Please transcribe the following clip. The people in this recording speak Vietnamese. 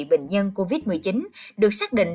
bệnh nhân covid một mươi chín được xác định